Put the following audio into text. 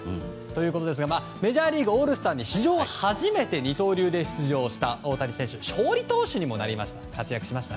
メジャーリーグオールスターに史上初めて二刀流で出場した大谷選手勝利投手にもなりました。